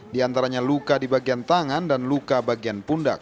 di antaranya luka di bagian tangan dan luka bagian pundak